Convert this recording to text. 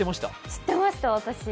知ってました、私。